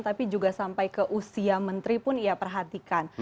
tapi juga sampai ke usia menteri pun ia perhatikan